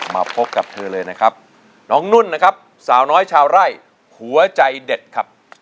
มาพบกับเธอเลยนะครับน้องนุ่นนะครับสาวน้อยชาวไร่หัวใจเด็ดครับ